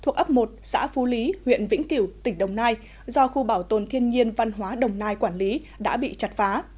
thuộc ấp một xã phú lý huyện vĩnh kiểu tỉnh đồng nai do khu bảo tồn thiên nhiên văn hóa đồng nai quản lý đã bị chặt phá